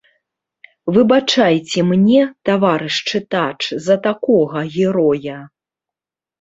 Выбачайце мне, таварыш чытач, за такога героя.